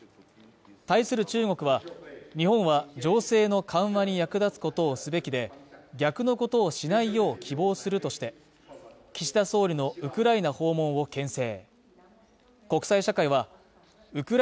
対する中国は、日本は情勢の緩和に役立つことをすべきで、逆のことをしないよう希望するとして、岸田総理のウクライナ訪問を牽制。